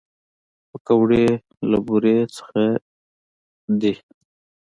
پکورې له بوره نه دي